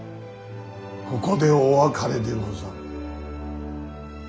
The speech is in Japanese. ここでお別れでござる。